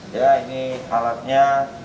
ya ini alatnya